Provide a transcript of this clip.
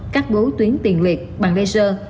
các bố tiến tiền liệt bằng laser